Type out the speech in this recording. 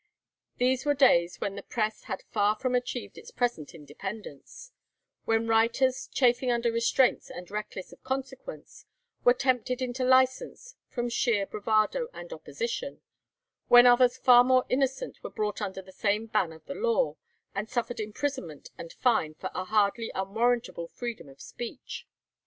These were days when the press had far from achieved its present independence; when writers, chafing under restraints and reckless of consequence, were tempted into licence from sheer bravado and opposition; when others far more innocent were brought under the same ban of the law, and suffered imprisonment and fine for a hardly unwarrantable freedom of speech.